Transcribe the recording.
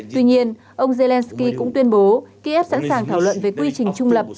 tuy nhiên ông zelensky cũng tuyên bố kiev sẵn sàng thảo luận về quy trình trung lập